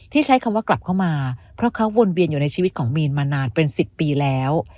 ใช้คำว่ากลับเข้ามาเพราะเขาวนเวียนอยู่ในชีวิตของมีนมานานเป็น๑๐ปีแล้ว